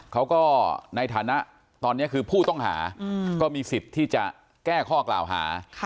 เขาก็ในฐานะตอนนี้คือผู้ต้องหาก็มีสิทธิ์ที่จะแก้ข้อกล่าวหา